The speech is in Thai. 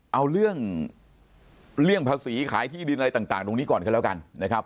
เอาเรื่องภาษีขายที่ดินอะไรต่างตรงนี้ก่อนกันแล้วกันนะครับ